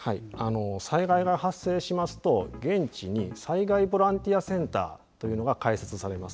災害が発生しますと現地に災害ボランティアセンターというのが開設されます。